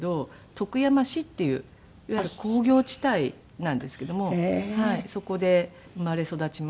徳山市っていういわゆる工業地帯なんですけどもそこで生まれ育ちました。